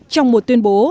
trong một tuyên bố